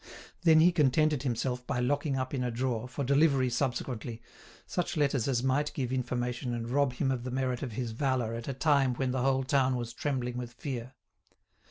Then he contented himself by locking up in a drawer, for delivery subsequently, such letters as might give information and rob him of the merit of his valour at a time when the whole town was trembling with fear.